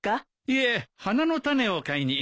いえ花の種を買いに。